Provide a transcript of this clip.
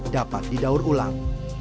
dapat didaur ulang